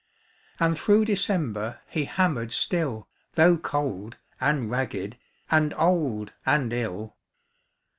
And through December He hammered still, Though cold, and ragged. And old, and ill.